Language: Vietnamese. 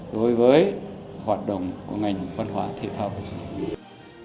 đối với hoạt động của ngành văn hóa thể thao và du lịch